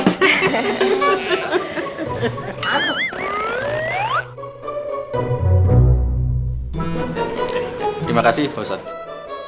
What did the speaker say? terima kasih pak ustadz